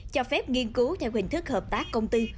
cho phép nghiên cứu theo hình thức hợp tác công tư